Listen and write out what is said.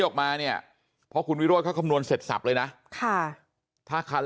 ออกมาเนี่ยเพราะคุณวิโรธเขาคำนวณเสร็จสับเลยนะค่ะถ้าคัน